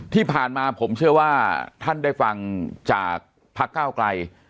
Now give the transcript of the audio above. ที่ผ่านมาผมเชื่อว่าท่านได้ฟังจากพักก้าวไกล